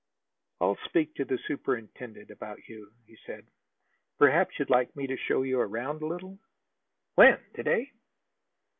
"I'll speak to the superintendent about you," he said. "Perhaps you'd like me to show you around a little." "When? To day?"